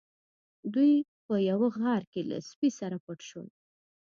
دوی په یوه غار کې له سپي سره پټ شول.